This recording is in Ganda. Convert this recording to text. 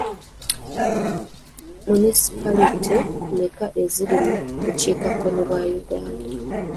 Munisipalite mmeka eziri mu bukiikakkono bwa Uganda?